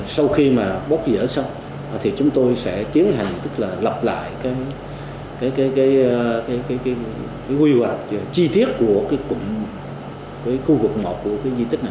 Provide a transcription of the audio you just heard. sau khi mà bóc dỡ xong thì chúng tôi sẽ tiến hành tức là lập lại cái huy hoạt chi tiết của cái khu vực này